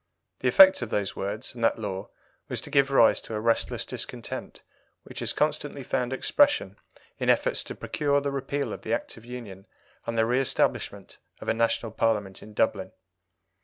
The effect of those words and that law was to give rise to a restless discontent, which has constantly found expression in efforts to procure the repeal of the Act of Union and the reestablishment of a National Parliament in Dublin.